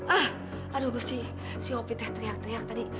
ah aduh si si opik teh teriak teriak tadi